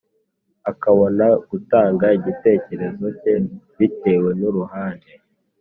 akabona gutanga igitekerezo ke bitewe n’uruhande